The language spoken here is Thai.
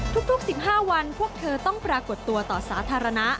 ทุก๑๕วันพวกเธอต้องปรากฏตัวต่อสาธารณะ